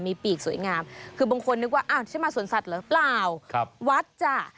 มีปีกสวยงามคือบางคนนึกว่าอ้าวที่มาสวนสัตว์หรือเปล่าครับวัดจ้ะ